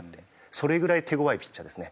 それぐらい手ごわいピッチャーですね。